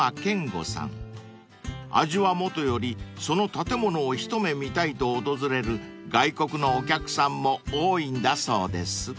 ［味はもとよりその建物を一目見たいと訪れる外国のお客さんも多いんだそうです］